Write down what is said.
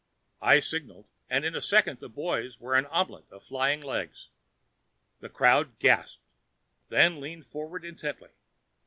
I signaled and in a second the boys were an omelet of flying legs. The crowd gasped, then leaned forward intently.